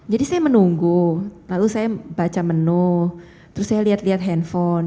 jadi saya menunggu lalu saya baca menu terus saya lihat lihat handphone